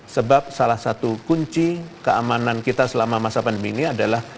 sebab salah satu kunci keamanan kita selama masa pandemi ini adalah